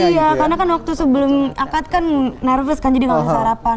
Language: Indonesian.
iya karena kan waktu sebelum angkat kan nervous kan jadi nggak bisa sarapan